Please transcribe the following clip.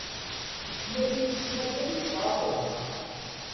Tlatin-sna kan i yesεa Tom.